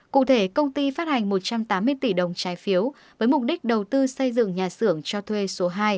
cụ thể công ty phát hành một trăm tám mươi tỷ đồng trái phiếu với mục đích đầu tư xây dựng nhà xưởng cho thuê số hai